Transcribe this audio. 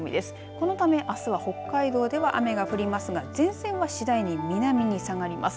このため、あすは北海道では雨が降りますが前線は次第に南に下がります。